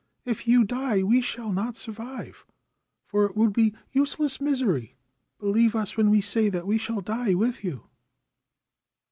If you die we shall not survive, for it would be useless misery. Believe us when we say that we shall die with you.'